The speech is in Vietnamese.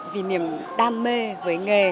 vì niềm đam mê với nghề